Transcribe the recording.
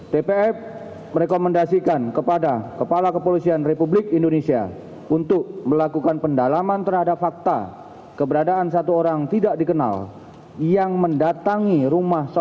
tgpf menyatakan bahwa ada keterangan dari tim yang menurut tgpf